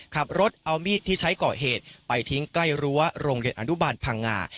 ขับรถเอามีดที่ใช้ก่อเหตุไปทิ้งใกล้รั้วโรงเรียนอนุบาลพังงา